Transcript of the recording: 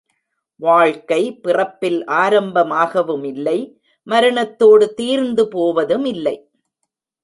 வாழ்க்கை பிறப்பில் ஆரம்பமாகவுமில்லை மரணத்தோடு தீர்ந்து போவதுமில்லை.